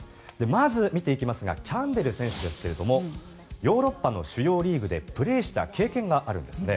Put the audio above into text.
まず見ていきますがキャンベル選手ですがヨーロッパの主要リーグでプレーした経験があるんです。